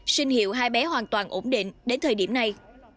sinh hiệu hai bé hoàn toàn ổn định đến thời điểm này